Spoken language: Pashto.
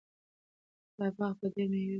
دا باغ به ډېر مېوه ولري.